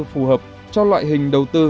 phù hợp cho loại hình đầu tư